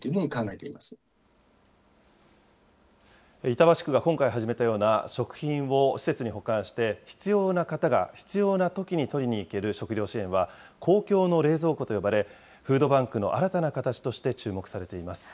板橋区が今回始めたような、食品を施設に保管して必要な方が、必要なときに取りに行ける食料支援は、公共の冷蔵庫と呼ばれ、フードバンクの新たな形として注目されています。